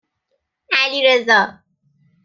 علیرضا